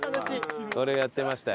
これやってましたよ。